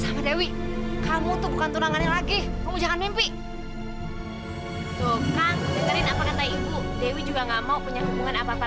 sama dewi kamu tu bukan interests lagi kamu jangan mimpi justru yang kamu tuh enggak bule deket deket samah dewi kamu tuh bukan tendangannya lagi kamu nah duit aja weer keluar ya kamu udah ke tempat tempat kah outta kamu